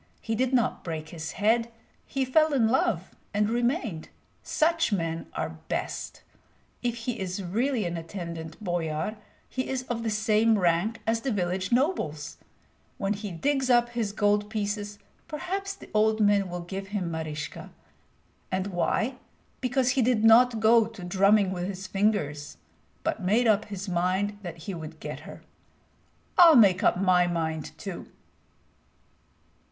He did not break his head; he fell in love and remained. Such men are best. If he is really an attendant boyar, he is of the same rank as the village nobles. When he digs up his gold pieces, perhaps the old man will give him Maryska. And why? Because he did not go to drumming with his fingers, but made up his mind that he would get her. I'll make up my mind too."